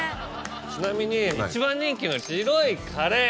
ちなみに一番人気の白いカレー。